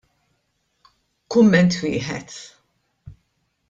Kumment wieħed.